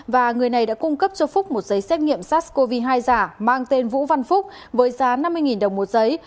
và người này đã cung cấp cho phúc một giấy xét nghiệm sars cov hai giả mang tên vũ văn phúc với giá năm mươi đồng một giấy